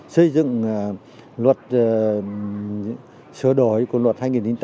xây dựng luật sửa đổi của luật hai nghìn tám